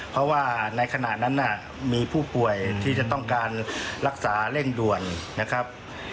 เพราะว่าในขณะนั้นมีผู้ป่วยที่จะต้องการรักษาเร่งด่วนนะครับ